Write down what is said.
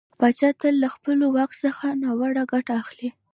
پاچا تل له خپله واک څخه ناوړه ګټه اخلي .